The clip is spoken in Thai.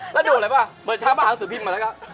แล้วดูอะไรป่ะเปิดเช้ามาหาสือพิมพ์มาแล้ว